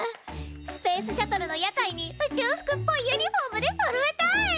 スペースシャトルの屋台に宇宙服っぽいユニフォームでそろえたい。